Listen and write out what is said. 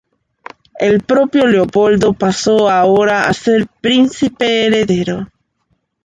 El propio Leopoldo pasó ahora a ser príncipe heredero.